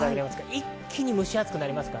一気に蒸し暑くなります。